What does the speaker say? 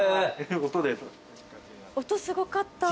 音すごかった。